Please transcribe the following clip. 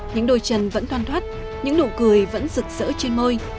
những đôi chân vẫn toan thoát những nụ cười vẫn rực rỡ trên môi